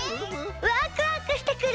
ワクワクしてくる！